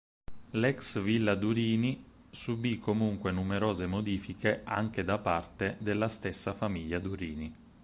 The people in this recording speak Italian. L'ex villa Durini subì comunque numerose modifiche anche da parte della stessa famiglia Durini.